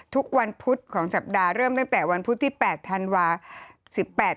ทุกวันพุธของสัปดาห์เริ่มตั้งแต่วันพุธที่๘ธันวาคม